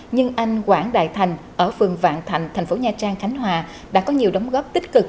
nhưng anh quảng đại thành ở phường vạn thạnh thành phố nha trang khánh hòa đã có nhiều đóng góp tích cực